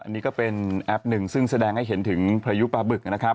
นี่ก็เป็นแอปหนึ่งซึ่งแสดงให้เห็นถึงพายุปลาบึกนะครับ